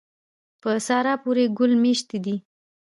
په سارا پورې ګل مښتی دی.